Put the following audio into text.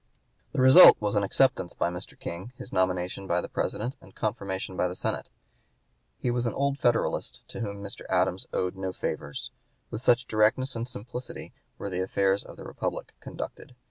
The result was an acceptance by Mr. King, his nomination by the President, and confirmation by the Senate. He was an old Federalist, to whom Mr. Adams owed no favors. With such directness and simplicity were the affairs of the Republic conducted.